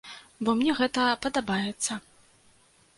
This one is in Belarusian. Бо мне гэта падабаецца.